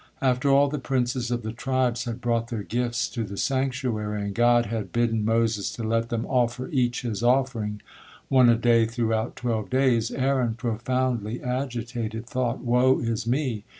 After all the princes of the tribes had brought their gifts to the sanctuary, and God had bidden Moses to let them offer each his offering, one a day, throughout twelve days, Aaron, profoundly agitated, thought: "Woe is me!